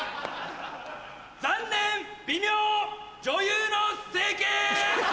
残念微妙女優の整形。